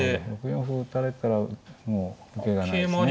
６四歩を打たれたらもう受けがないですね。